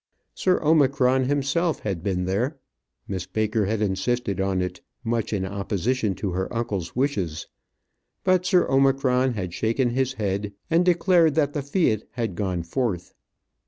Sir Omicron himself had been there. Miss Baker had insisted on it, much in opposition to her uncle's wishes. But Sir Omicron had shaken his head and declared that the fiat had gone forth.